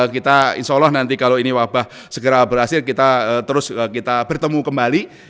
kita insya allah nanti kalau ini wabah segera berhasil kita terus kita bertemu kembali